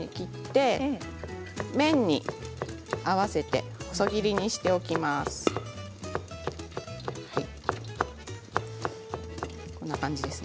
麺に合わせて細切りにしておきます。